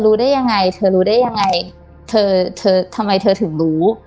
รู้ได้ยังไงรู้ได้ยังไงเสียใจธรรมดา